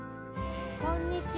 こんにちは。